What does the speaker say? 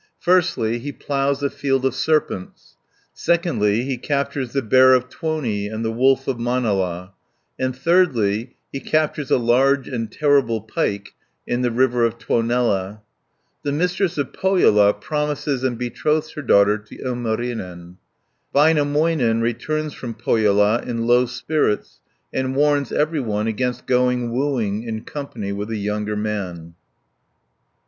Firstly, he ploughs a field of serpent, secondly, he captures the Bear of Tuoni and the Wolf of Manala, and thirdly, he captures a large and terrible pike in the river of Tuonela (33 344). The Mistress of Pohjola promises and betroths her daughter to Ilmarinen (345 498). Väinämöinen returns from Pohjola in low spirits, and warns every one against going wooing in company with a younger man (499 518).